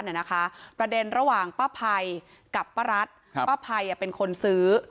นะคะประเด็นระหว่างป้าภัยกับป้ารัฐครับป้าภัยอ่ะเป็นคนซื้อ